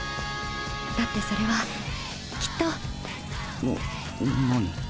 だってそれはきっとな何？